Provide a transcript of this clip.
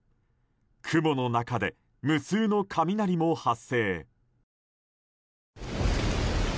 雲の中で無数の雷も発生。